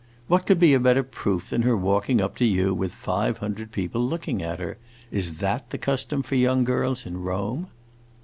What could be a better proof than her walking up to you, with five hundred people looking at her? Is that the custom for young girls in Rome?"